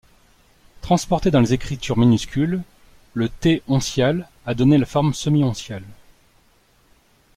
Transporté dans les écritures minuscules, le T oncial a donné la forme semi-onciale.